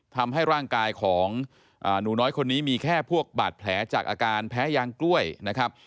ทำให้ร่างกายของหนูน้อยคนนี้มีแค่พวกบาดแผลจากอาการแพ้ยางกล้วยนะครับ